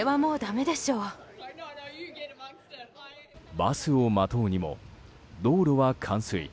バスを待とうにも道路は冠水。